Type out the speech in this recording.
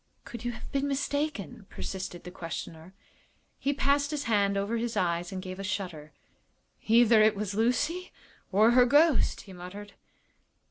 "Could you have been mistaken?" persisted the questioner. He passed his hand over his eyes and gave a shudder. "Either it was Lucy or her ghost," he muttered.